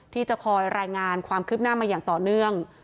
ที่จะคอยรายงานความคืบหน้ามาอย่างต่อเนื่อง